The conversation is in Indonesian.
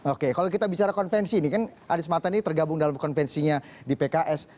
oke kalau kita bicara konvensi ini kan adi sematani tergabung dalam konvensinya di pks